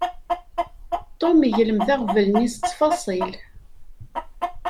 Tom iglem-d aɣbel-nni s ttfaṣil.